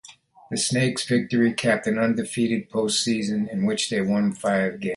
The Snakes' victory capped an undefeated postseason in which they won five games.